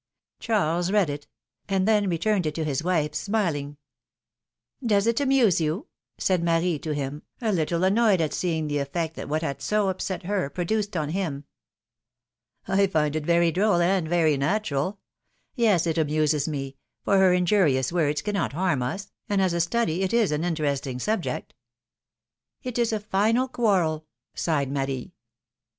Charles read it; and then returned it to his wife, smiling. ^^Does it amuse you?^^ said Marie to him, a little annoyed at seeing the effect that what had so upset her produced on him. I find it very droll and very natural ; yes, it amuses me, for her injurious words cannot harm us, and as a study it is an interesting subject.'^ It is a final quarrel sighed Marie.